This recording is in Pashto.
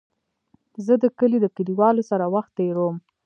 زه د کلي د کليوالو سره وخت تېرووم.